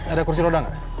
ada kursi roda enggak